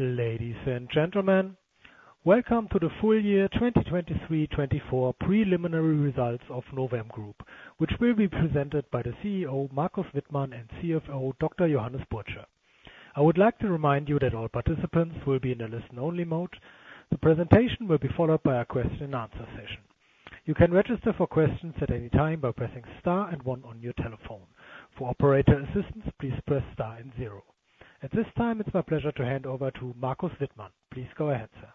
Ladies and gentlemen, welcome to the full year 2023/24 preliminary results of Novem Group, which will be presented by the CEO, Markus Wittmann, and CFO, Dr. Johannes Burtscher. I would like to remind you that all participants will be in a listen-only mode. The presentation will be followed by a question and answer session. You can register for questions at any time by pressing star and one on your telephone. For operator assistance, please press star and zero. At this time, it's my pleasure to hand over to Markus Wittmann. Please go ahead, sir.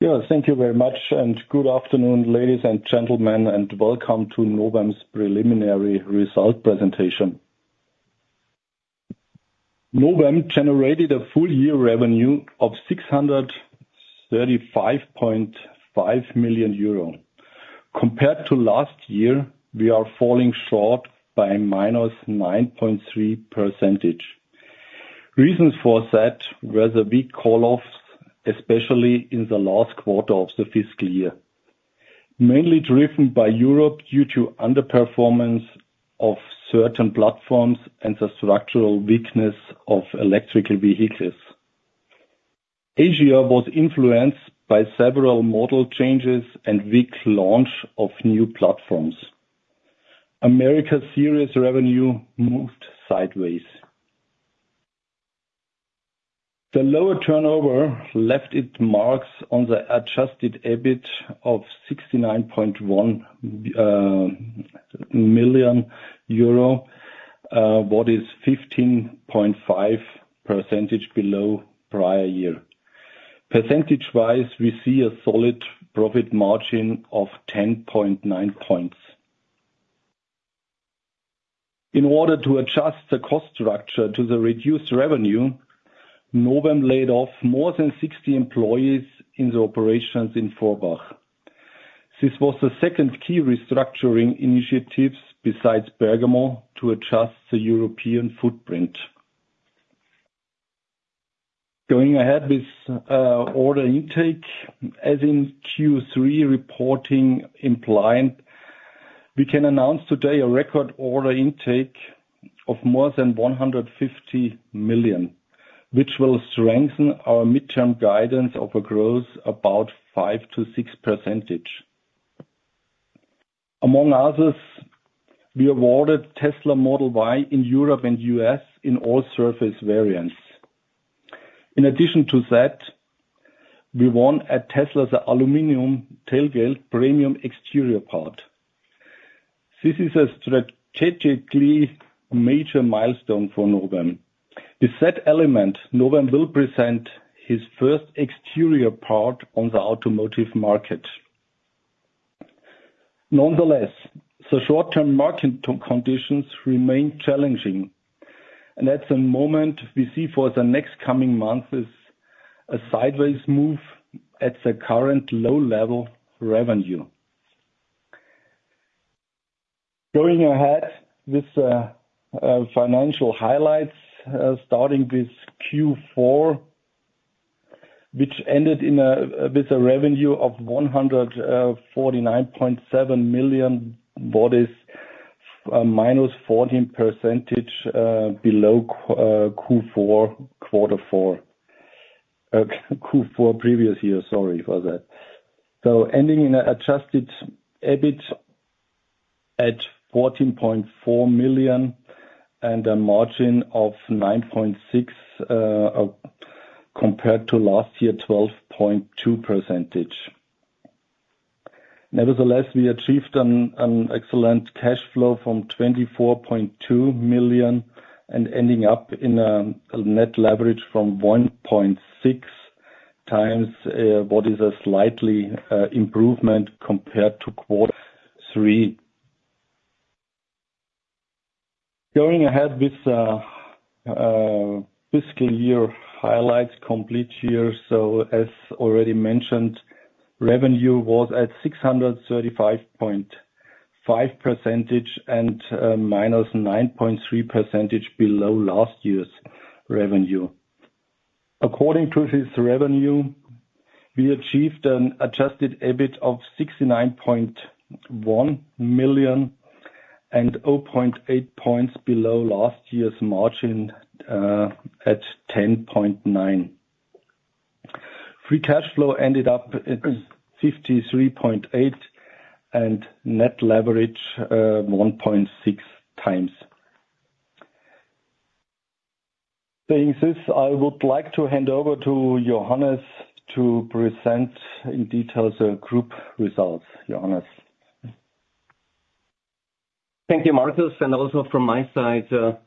Yeah, thank you very much, and good afternoon, ladies and gentlemen, and welcome to Novem's preliminary result presentation. Novem generated a full year revenue of 635.5 million euro. Compared to last year, we are falling short by -9.3%. Reasons for that were the weak call-offs, especially in the last quarter of the fiscal year, mainly driven by Europe due to underperformance of certain platforms and the structural weakness of electric vehicles. Asia was influenced by several model changes and weak launch of new platforms. America's series revenue moved sideways. The lower turnover left its marks on the Adjusted EBIT of 69.1 million euro, what is 15.5% below prior year. Percentage-wise, we see a solid profit margin of 10.9 points. In order to adjust the cost structure to the reduced revenue, Novem laid off more than 60 employees in the operations in Forbach. This was the second key restructuring initiatives besides Bergamo, to adjust the European footprint. Going ahead with order intake, as in Q3 reporting implied, we can announce today a record order intake of more than 150 million, which will strengthen our mid-term guidance of a growth about 5%-6%. Among others, we awarded Tesla Model Y in Europe and US in all surface variants. In addition to that, we won at Tesla, the aluminum tailgate premium exterior part. This is a strategically major milestone for Novem. With that element, Novem will present his first exterior part on the automotive market. Nonetheless, the short-term market conditions remain challenging, and at the moment, we see for the next coming months is a sideways move at the current low level revenue. Going ahead with financial highlights, starting with Q4, which ended in a, with a revenue of 149.7 million, what is minus 14% below Q4, quarter four. Q4 previous year. Sorry for that. So ending in adjusted EBIT at 14.4 million and a margin of 9.6% compared to last year, 12.2%. Nevertheless, we achieved an excellent cash flow from 24.2 million and ending up in a net leverage from 1.6 times, what is a slightly improvement compared to quarter three. Going ahead with fiscal year highlights, complete year. So as already mentioned, revenue was at 635.5 million and -9.3% below last year's revenue. According to this revenue, we achieved an Adjusted EBIT of 69.1 million and 0.8 points below last year's margin at 10.9%. Free cash flow ended up at 53.8 million and net leverage 1.6 times. Saying this, I would like to hand over to Johannes to present in detail the group results. Johannes? Thank you, Markus, and also from my side,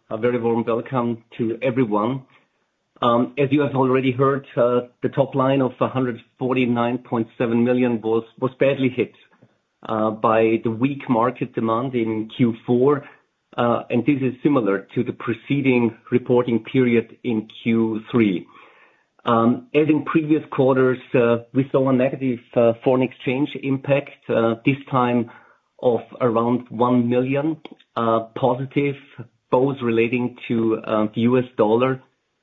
a very warm welcome to everyone. As you have already heard, the top line of 149.7 million was badly hit by the weak market demand in Q4, and this is similar to the preceding reporting period in Q3. As in previous quarters, we saw a negative foreign exchange impact this time of around 1 million positive, both relating to the US dollar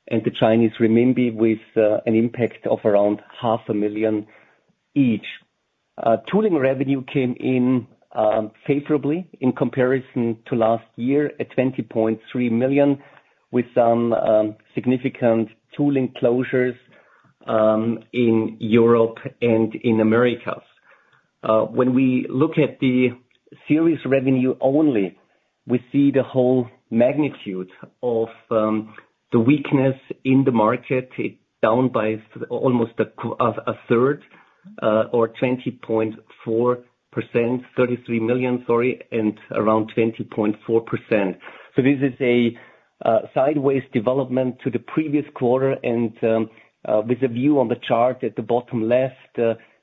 and the Chinese renminbi, with an impact of around 0.5 million each. Tooling revenue came in favorably in comparison to last year, at 20.3 million, with some significant tooling closures in Europe and in Americas. When we look at the Series Revenue only, we see the whole magnitude of the weakness in the market. It's down by almost a quarter or a third, or 20.4%, 33 million, sorry, and around 20.4%. So this is a sideways development to the previous quarter, and with a view on the chart at the bottom left,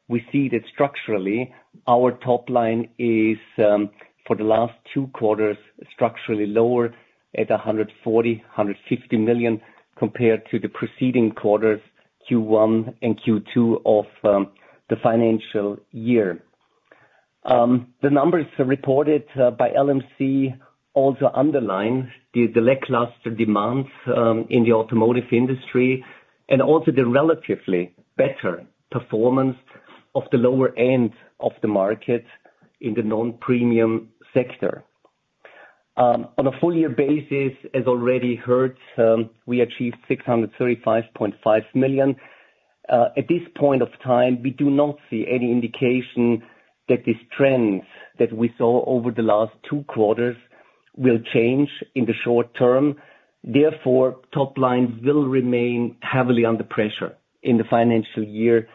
we see that structurally, our top line is for the last two quarters, structurally lower at 140-150 million, compared to the preceding quarters, Q1 and Q2 of the financial year. The numbers reported by LMC also underline the lackluster demands in the automotive industry, and also the relatively better performance of the lower end of the market in the non-premium sector. On a full year basis, as already heard, we achieved 635.5 million. At this point of time, we do not see any indication that this trends that we saw over the last two quarters will change in the short term. Therefore, top line will remain heavily under pressure in the financial year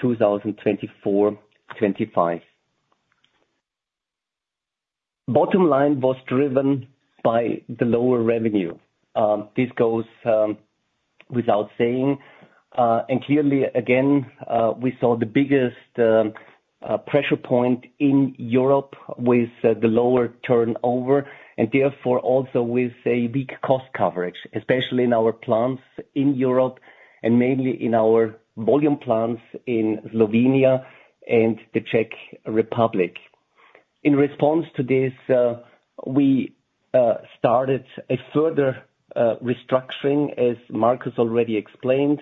2024/25. Bottom line was driven by the lower revenue. This goes without saying, and clearly again, we saw the biggest pressure point in Europe with the lower turnover, and therefore also with a weak cost coverage, especially in our plants in Europe, and mainly in our volume plants in Slovenia and the Czech Republic. In response to this, we started a further restructuring, as Marcus already explained,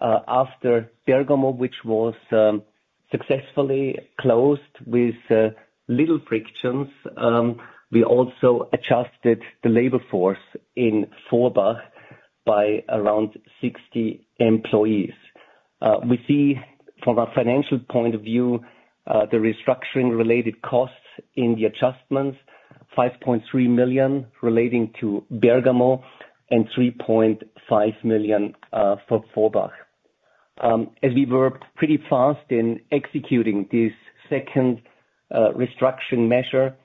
after Bergamo, which was successfully closed with little frictions. We also adjusted the labor force in Forbach by around 60 employees. We see from a financial point of view, the restructuring related costs in the adjustments, 5.3 million relating to Bergamo, and 3.5 million for Forbach. As we were pretty fast in executing this second restructuring measure,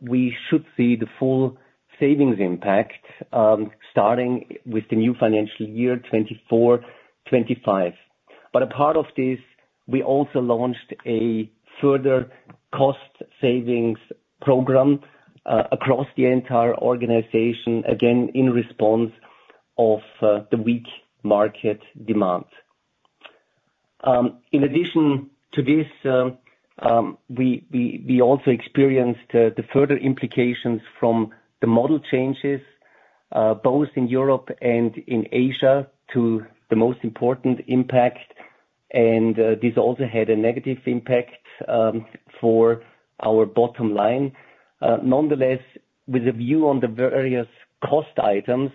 we should see the full savings impact, starting with the new financial year, 2024/25. But a part of this, we also launched a further cost savings program, across the entire organization, again, in response of the weak market demand. In addition to this, we also experienced the further implications from the model changes both in Europe and in Asia to the most important impact, and this also had a negative impact for our bottom line. Nonetheless, with a view on the various cost items,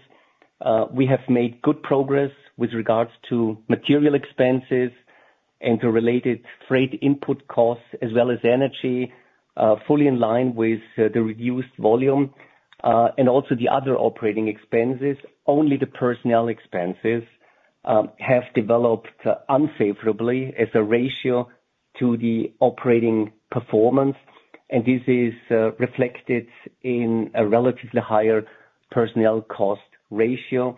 we have made good progress with regards to material expenses and to related freight input costs, as well as energy, fully in line with the reduced volume, and also the other operating expenses. Only the personnel expenses have developed unfavorably as a ratio to the operating performance, and this is reflected in a relatively higher personnel cost ratio.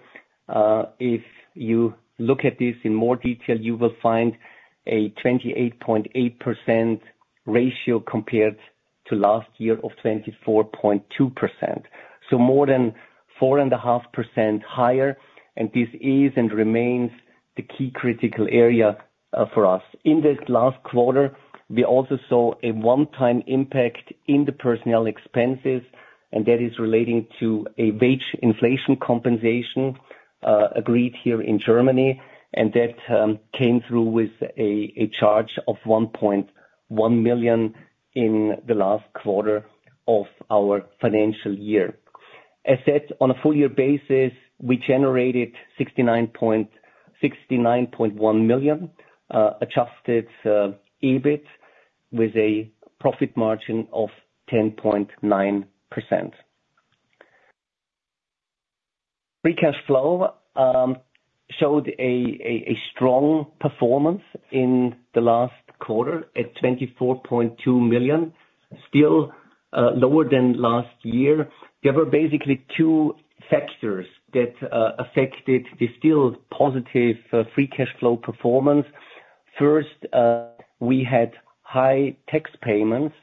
If you look at this in more detail, you will find a 28.8% ratio compared to last year of 24.2%. So more than 4.5% higher, and this is and remains the key critical area for us. In this last quarter, we also saw a one-time impact in the personnel expenses, and that is relating to a wage inflation compensation agreed here in Germany, and that came through with a charge of 1.1 million in the last quarter of our financial year. As said, on a full year basis, we generated 69.1 million adjusted EBIT, with a profit margin of 10.9%. Free cash flow showed a strong performance in the last quarter at 24.2 million, still lower than last year. There were basically two factors that affected the still positive free cash flow performance. First, we had high tax payments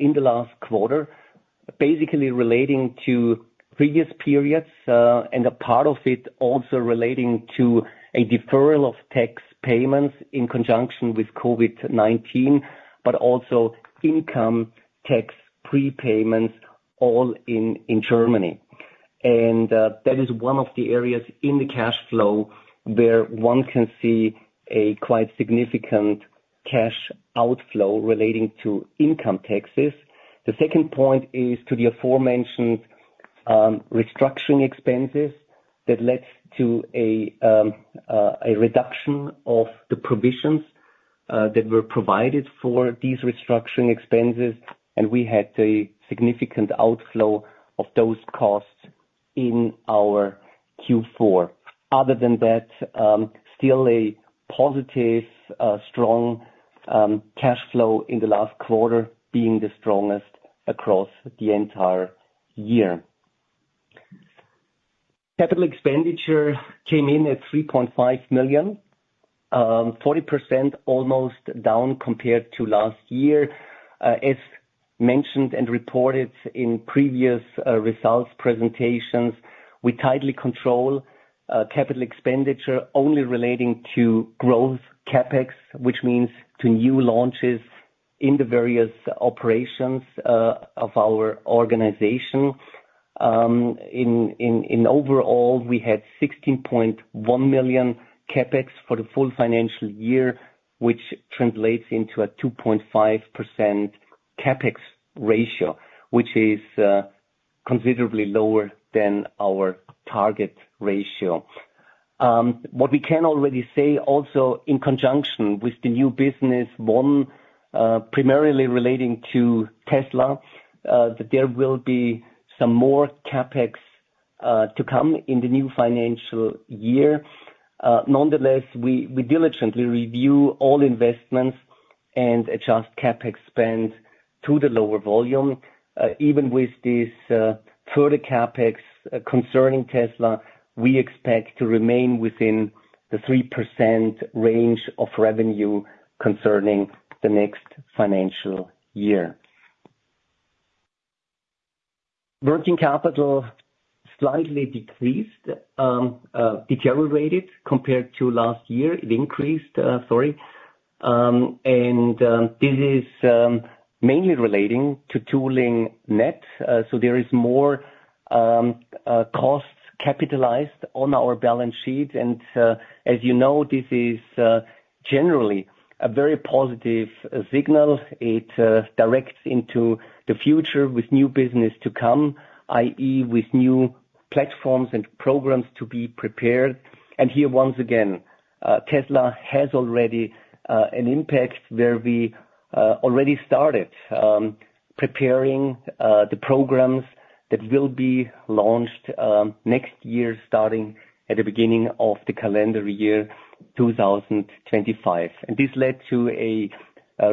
in the last quarter, basically relating to previous periods, and a part of it also relating to a deferral of tax payments in conjunction with COVID-19, but also income tax prepayments, all in Germany. That is one of the areas in the cash flow where one can see a quite significant cash outflow relating to income taxes. The second point is to the aforementioned restructuring expenses that led to a reduction of the provisions that were provided for these restructuring expenses, and we had a significant outflow of those costs in our Q4. Other than that, still a positive strong cash flow in the last quarter, being the strongest across the entire year. Capital expenditure came in at 3.5 million, almost 40% down compared to last year. As mentioned and reported in previous results presentations, we tightly control capital expenditure only relating to growth CapEx, which means to new launches in the various operations of our organization. Overall, we had 16.1 million CapEx for the full financial year, which translates into a 2.5% CapEx ratio, which is considerably lower than our target ratio. What we can already say also in conjunction with the new business, one, primarily relating to Tesla, that there will be some more CapEx to come in the new financial year. Nonetheless, we diligently review all investments and adjust CapEx spend to the lower volume. Even with this further CapEx concerning Tesla, we expect to remain within the 3% range of revenue concerning the next financial year. Working capital slightly decreased, deteriorated compared to last year. It increased, sorry. And this is mainly relating to tooling net, so there is more costs capitalized on our balance sheet. And as you know, this is generally a very positive signal. It directs into the future with new business to come, i.e., with new platforms and programs to be prepared. And here, once again, Tesla has already an impact where we already started preparing the programs that will be launched next year, starting at the beginning of the calendar year 2025. And this led to a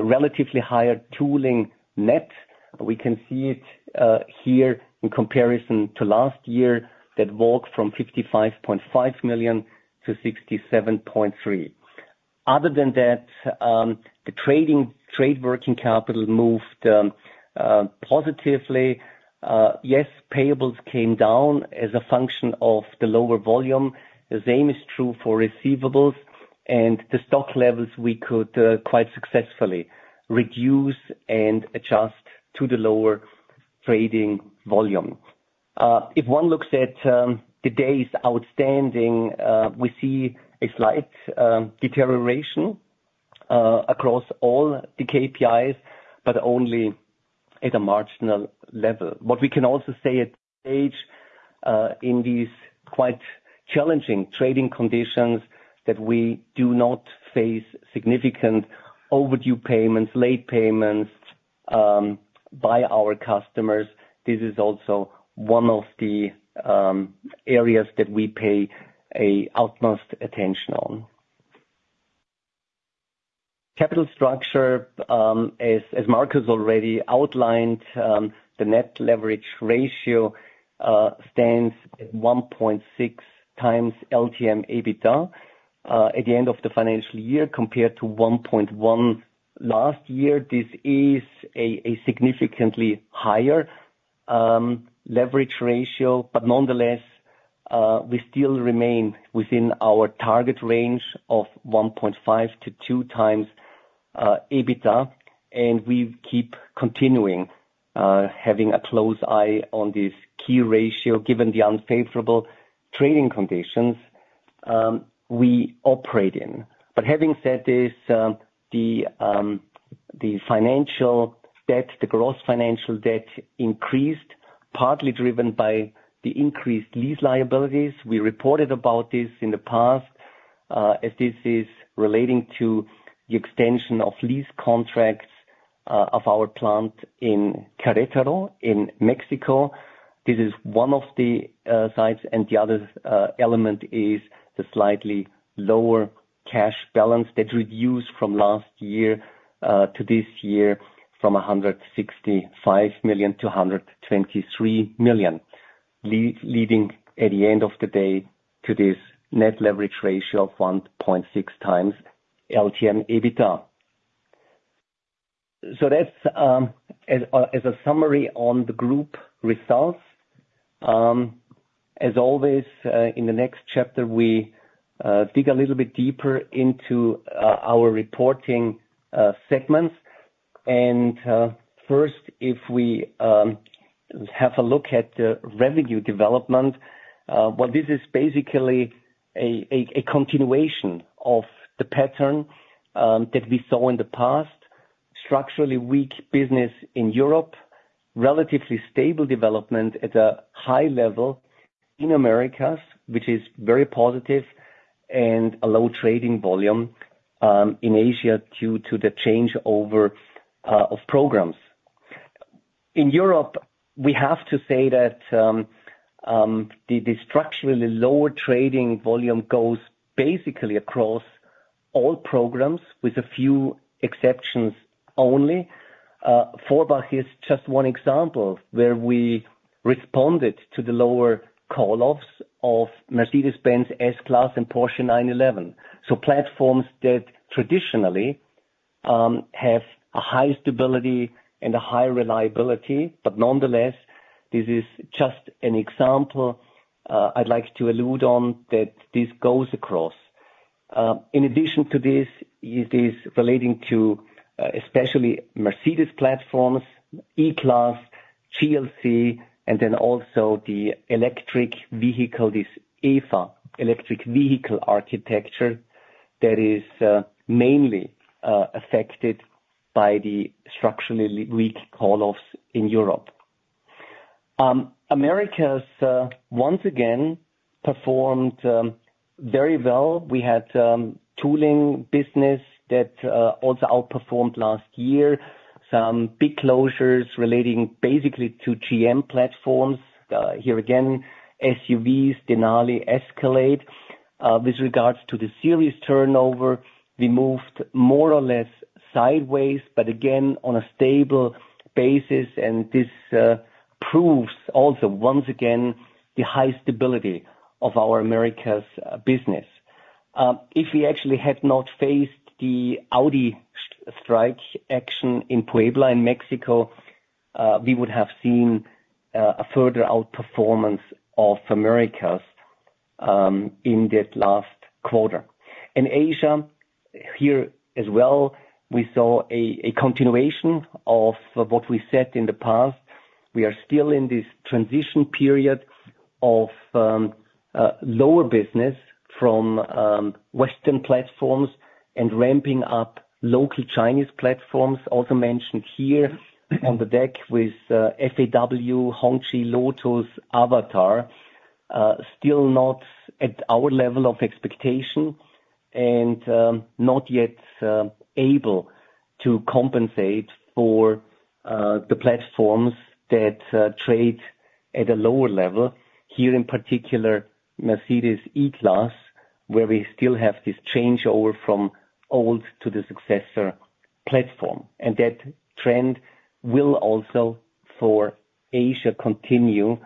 relatively higher tooling net. We can see it here in comparison to last year, that went from 55.5 million to 67.3 million. Other than that, the trade working capital moved positively. Yes, payables came down as a function of the lower volume. The same is true for receivables, and the stock levels we could quite successfully reduce and adjust to the lower trading volume. If one looks at the days outstanding, we see a slight deterioration across all the KPIs, but only at a marginal level. What we can also say at this stage, in these quite challenging trading conditions, that we do not face significant overdue payments, late payments by our customers. This is also one of the areas that we pay the utmost attention on. Capital structure, as Markus already outlined, the net leverage ratio stands at 1.6x LTM EBITDA at the end of the financial year, compared to 1.1 last year. This is a significantly higher leverage ratio, but nonetheless, we still remain within our target range of 1.5x-2x EBITDA, and we keep continuing having a close eye on this key ratio, given the unfavorable trading conditions we operate in. But having said this, the financial debt, the gross financial debt increased, partly driven by the increased lease liabilities. We reported about this in the past, as this is relating to the extension of lease contracts of our plant in Querétaro, in Mexico. This is one of the sites, and the other element is the slightly lower cash balance that reduced from last year to this year, from 165 million to 123 million. Leading at the end of the day, to this net leverage ratio of 1.6 times LTM EBITDA. So that's, as a summary on the group results. As always, in the next chapter, we dig a little bit deeper into our reporting segments. And first, if we have a look at the revenue development, well, this is basically a continuation of the pattern that we saw in the past. Structurally weak business in Europe, relatively stable development at a high level in Americas, which is very positive, and a low trading volume in Asia, due to the changeover of programs. In Europe, we have to say that the structurally lower trading volume goes basically across all programs, with a few exceptions only. Forbach is just one example, where we responded to the lower call-offs of Mercedes-Benz S-Class and Porsche 911. So platforms that traditionally have a high stability and a high reliability, but nonetheless, this is just an example, I'd like to allude on, that this goes across. In addition to this, it is relating to especially Mercedes platforms, E-Class, GLC, and then also the electric vehicle, this EVA electric vehicle architecture, that is mainly affected by the structurally weak call-offs in Europe. Americas, once again, performed very well. We had tooling business that also outperformed last year. Some big closures relating basically to GM platforms. Here again, SUVs, Denali, Escalade. With regards to the series turnover, we moved more or less sideways, but again, on a stable basis, and this proves also, once again, the high stability of our Americas business. If we actually had not faced the Audi strike action in Puebla, in Mexico, we would have seen a further outperformance of Americas in that last quarter. In Asia, here as well, we saw a continuation of what we said in the past. We are still in this transition period of lower business from Western platforms, and ramping up local Chinese platforms, also mentioned here on the deck with FAW, Hongqi, Lotus, AVATR. Still not at our level of expectation, and not yet able to compensate for the platforms that trade at a lower level. Here in particular, Mercedes-Benz E-Class, where we still have this changeover from old to the successor platform. That trend will also, for Asia, continue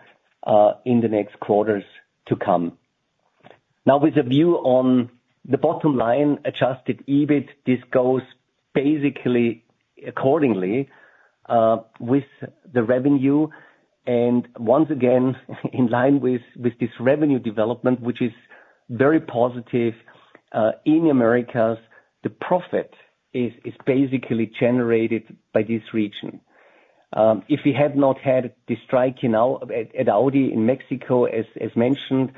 in the next quarters to come. Now, with a view on the bottom line, Adjusted EBIT, this goes basically accordingly with the revenue. Once again, in line with this revenue development, which is very positive in Americas, the profit is basically generated by this region. If we had not had the strike at Audi in Mexico, as mentioned,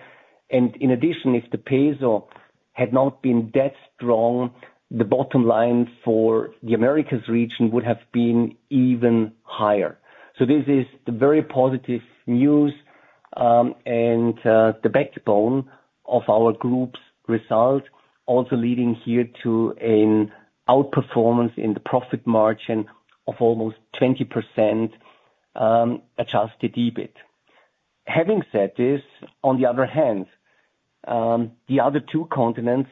and in addition, if the peso had not been that strong, the bottom line for the Americas region would have been even higher. So this is the very positive news, and the backbone of our group's result, also leading here to an outperformance in the profit margin of almost 20%, Adjusted EBIT. Having said this, on the other hand, the other two continents,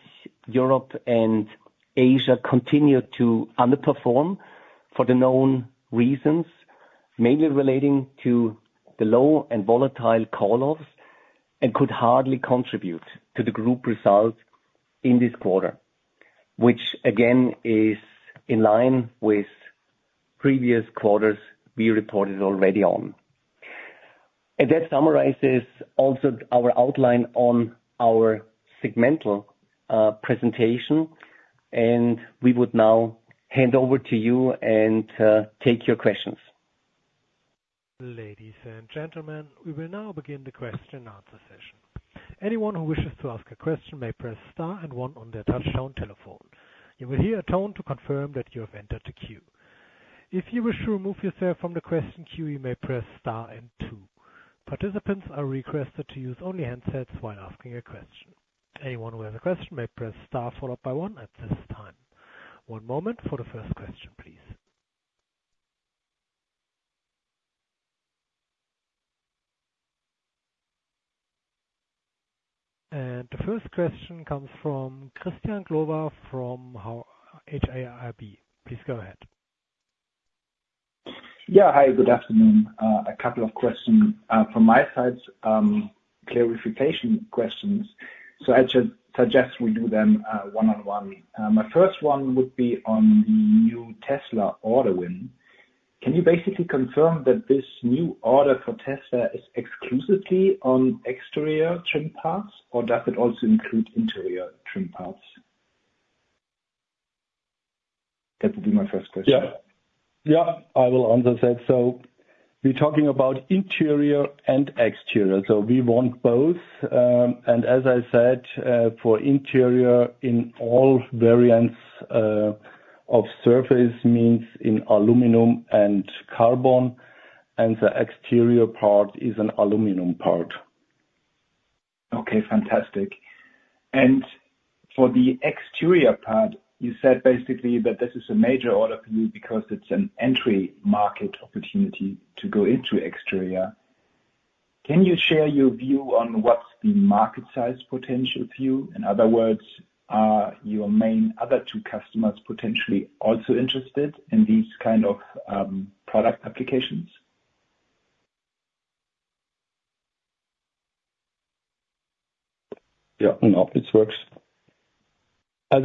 Europe and Asia, continue to underperform for the known reasons, mainly relating to the low and volatile call-offs, and could hardly contribute to the group result in this quarter, which again is in line with previous quarters we reported already on. That summarizes also our outline on our segmental presentation, and we would now hand over to you and take your questions. Ladies and gentlemen, we will now begin the question and answer session. Anyone who wishes to ask a question may press star and one on their touchtone telephone. You will hear a tone to confirm that you have entered the queue. If you wish to remove yourself from the question queue, you may press star and two. Participants are requested to use only handsets while asking a question. Anyone who has a question may press star, followed by one at this time. One moment for the first question, please. The first question comes from Christian Glowa from HAIB. Please go ahead. Yeah, hi, good afternoon. A couple of questions from my side, clarification questions. So I just suggest we do them one-on-one. My first one would be on the new Tesla order win. Can you basically confirm that this new order for Tesla is exclusively on exterior trim parts, or does it also include interior trim parts? That would be my first question. Yeah. Yeah, I will answer that. So we're talking about interior and exterior, so we want both. And as I said, for interior in all variants of surface, means in aluminum and carbon, and the exterior part is an aluminum part. Okay, fantastic. And for the exterior part, you said basically that this is a major order for you because it's an entry market opportunity to go into exterior. Can you share your view on what's the market size potential to you? In other words, are your main other two customers potentially also interested in these kind of product applications? Yeah, no, this works. As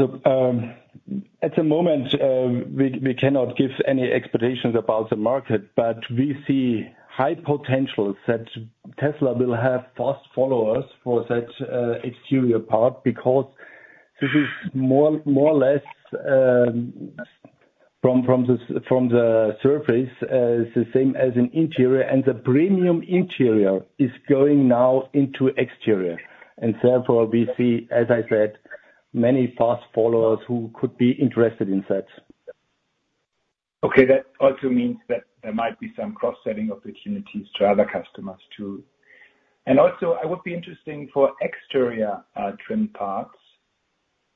at the moment, we cannot give any expectations about the market, but we see high potential that Tesla will have fast followers for such exterior part, because this is more or less from the surface it's the same as an interior, and the premium interior is going now into exterior. And therefore, we see, as I said, many fast followers who could be interested in that. Okay. That also means that there might be some cross-selling opportunities to other customers, too. And also, I would be interesting for exterior trim parts.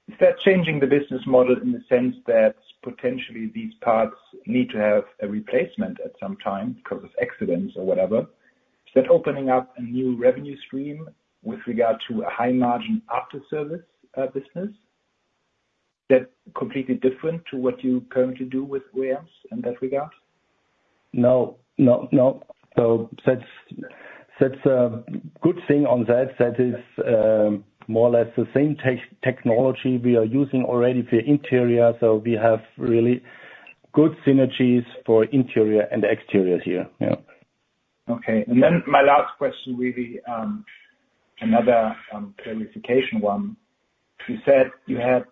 Is that changing the business model in the sense that potentially these parts need to have a replacement at some time because of accidents or whatever? Is that opening up a new revenue stream with regard to a high margin after service business that's completely different to what you currently do in that regard? No, no, no. So that's, that's a good thing on that. That is more or less the same technology we are using already for interior, so we have really good synergies for interior and exterior here. Yeah. Okay. And then my last question will be, another clarification one. You said you had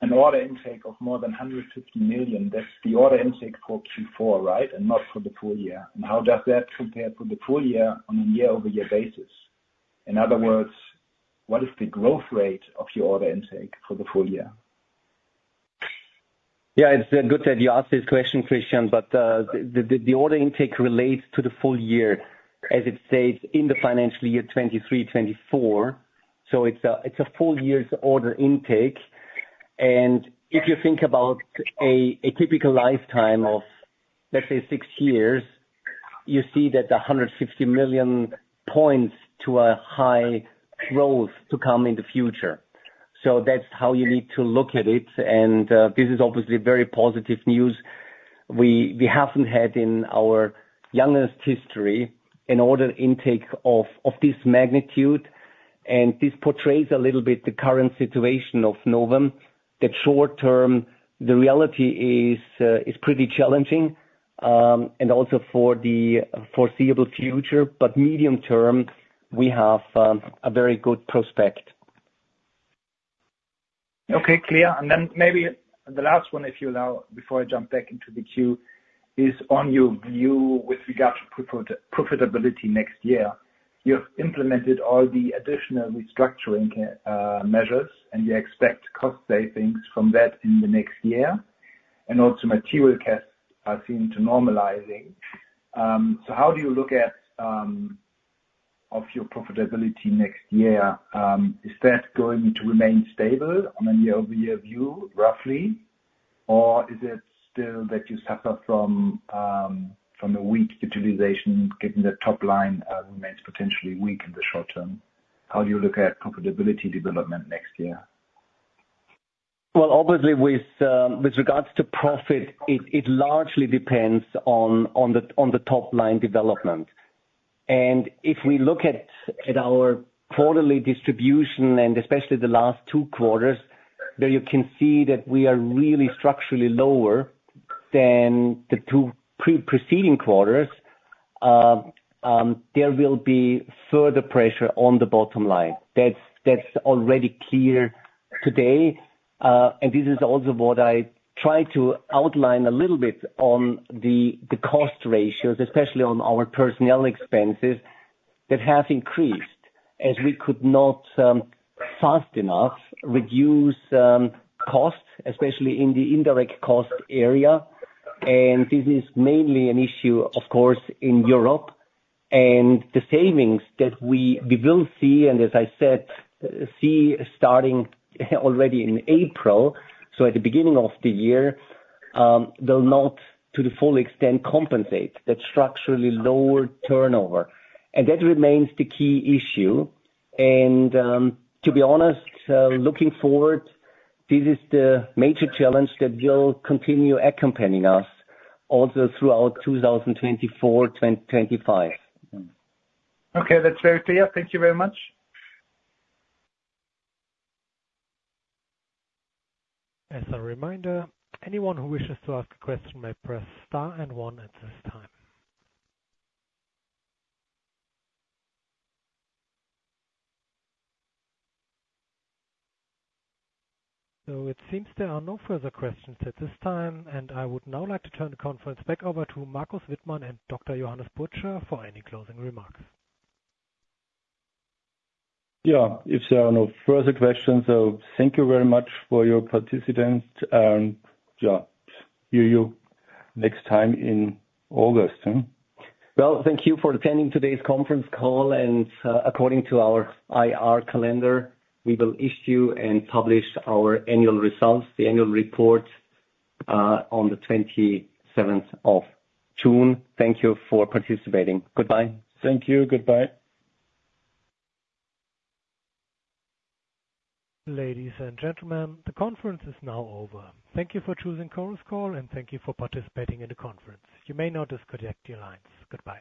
an order intake of more than 150 million. That's the order intake for Q4, right? And not for the full year. And how does that compare to the full year on a year-over-year basis? In other words, what is the growth rate of your order intake for the full year? Yeah, it's good that you asked this question, Christian, but the order intake relates to the full year, as it states in the financial year 2023/2024. So it's a full year's order intake. And if you think about a typical lifetime of, let's say, six years, you see that the 150 million points to a high growth to come in the future. So that's how you need to look at it, and this is obviously very positive news. We haven't had in our youngest history an order intake of this magnitude, and this portrays a little bit the current situation of Novem. That short term, the reality is pretty challenging and also for the foreseeable future, but medium term, we have a very good prospect. Okay, clear. And then maybe the last one, if you allow, before I jump back into the queue, is on your view with regard to profitability next year. You have implemented all the additional restructuring measures, and you expect cost savings from that in the next year, and also material costs seem to be normalizing. So how do you look at your profitability next year? Is that going to remain stable on a year-over-year view, roughly? Or is it still that you suffer from a weak utilization, given the top line remains potentially weak in the short term? How do you look at profitability development next year? Well, obviously, with regards to profit, it largely depends on the top line development. And if we look at our quarterly distribution, and especially the last two quarters, there you can see that we are really structurally lower than the two preceding quarters. There will be further pressure on the bottom line. That's already clear today. And this is also what I tried to outline a little bit on the cost ratios, especially on our personnel expenses, that have increased, as we could not fast enough reduce costs, especially in the indirect cost area. And this is mainly an issue, of course, in Europe. And the savings that we will see, and as I said, see starting already in April, so at the beginning of the year, they'll not, to the full extent, compensate that structurally lower turnover. And that remains the key issue, and, to be honest, looking forward, this is the major challenge that will continue accompanying us also throughout 2024, 2025. Okay. That's very clear. Thank you very much. As a reminder, anyone who wishes to ask a question may press star and one at this time. It seems there are no further questions at this time, and I would now like to turn the conference back over to Markus Wittmann and Dr. Johannes Burtscher for any closing remarks. Yeah. If there are no further questions, so thank you very much for your participation, and, yeah, see you next time in August, huh? Well, thank you for attending today's conference call, and according to our IR calendar, we will issue and publish our annual results, the annual report, on the 27th of June. Thank you for participating. Goodbye. Thank you. Goodbye. Ladies and gentlemen, the conference is now over. Thank you for choosing Chorus Call, and thank you for participating in the conference. You may now disconnect your lines. Goodbye.